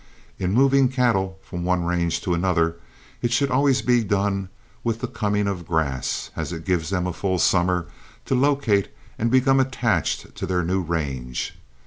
In moving cattle from one range to another, it should always be done with the coming of grass, as it gives them a full summer to locate and become attached to their new range.